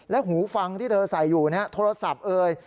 หูฟังที่เธอใส่อยู่โทรศัพท์เอ่ย